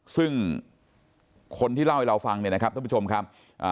ซึ่งคนที่เล่าให้เราฟังเนี่ยนะครับท่านผู้ชมครับ